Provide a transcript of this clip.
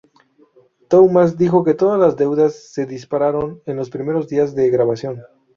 Tuomas dijo que todas las dudas se disiparon en los primeros días de grabación.